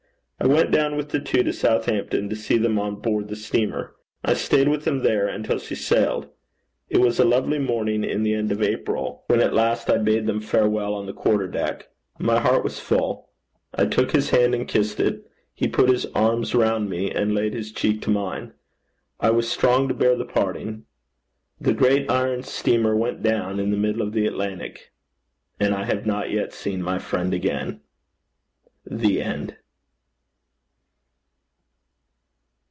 I went down with the two to Southampton, to see them on board the steamer. I staid with them there until she sailed. It was a lovely morning in the end of April, when at last I bade them farewell on the quarter deck. My heart was full. I took his hand and kissed it. He put his arms round me, and laid his cheek to mine. I was strong to bear the parting. The great iron steamer went down in the middle of the Atlantic, and I have not yet seen my friend again. CHAPTER XXI.